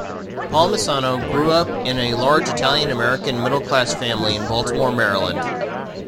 Palmisano grew up in a large Italian-American middle class family in Baltimore, Maryland.